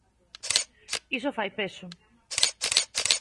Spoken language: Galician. Iso fai peso.